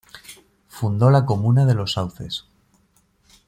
Fundó la comuna de Los Sauces.